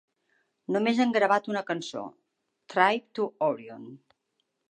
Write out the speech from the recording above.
Només han gravat una cançó, "Trip to Orion".